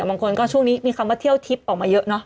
บางคนก็ช่วงนี้มีคำว่าเที่ยวทิพย์ออกมาเยอะเนอะ